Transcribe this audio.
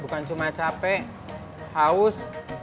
bukan cuma capek haus